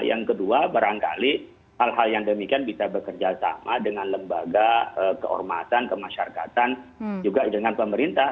yang kedua barangkali hal hal yang demikian bisa bekerja sama dengan lembaga keormasan kemasyarakatan juga dengan pemerintah